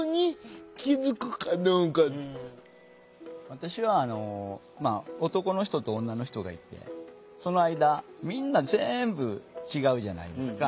私はまあ男の人と女の人がいてその間みんなぜんぶ違うじゃないですか。